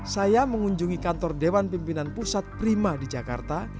saya mengunjungi kantor dewan pimpinan pusat prima di jakarta